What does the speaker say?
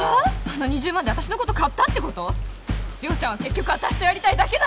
あの２０万で私のこと買ったってこと⁉涼ちゃんは結局私とやりたいだけなんじゃん！